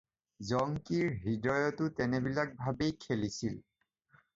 জংকিৰ হৃদয়তো তেনেবিলাক ভাবেই খেলিছিল।